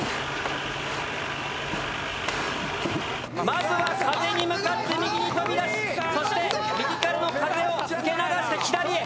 まずは風に向かって右に飛び出しそして右からの風を受け流して左へ。